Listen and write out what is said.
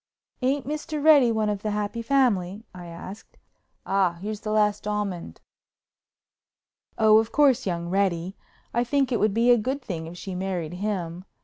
"Ain't Mr. Reddy one of the happy family?" I asked. "Ah, here's the last almond!" "Oh, of course, young Reddy. I think it would be a good thing if she married him.